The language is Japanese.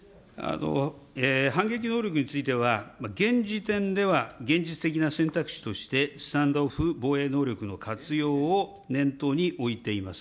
反撃能力については、現時点では現実的な選択肢として、スタンド・オフ防衛能力の活用を念頭に置いています。